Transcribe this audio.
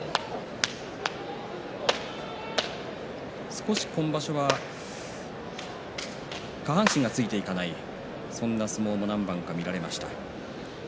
少し今場所は下半身がついていかないそんな相撲も何番か見られました。